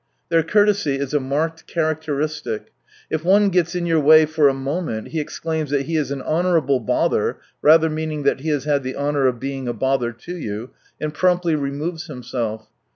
Their courtesy is a marked characteristic. If one gels in your way for a moment, he exclaims that he is an honourable bother, (rather meaning that he has had the honour of being a bother to you,) and promptly removes himself.